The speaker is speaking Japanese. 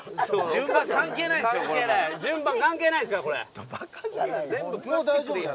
順番関係ないですから、これ。